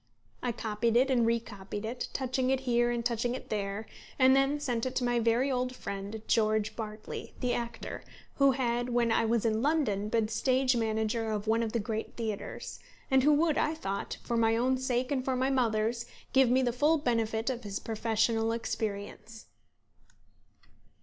I copied it, and re copied it, touching it here and touching it there, and then sent it to my very old friend, George Bartley the actor, who had when I was in London been stage manager of one of the great theatres, and who would, I thought, for my own sake and for my mother's, give me the full benefit of his professional experience.